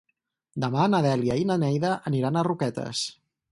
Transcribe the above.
Demà na Dèlia i na Neida aniran a Roquetes.